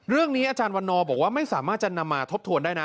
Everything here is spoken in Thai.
อาจารย์วันนอบอกว่าไม่สามารถจะนำมาทบทวนได้นะ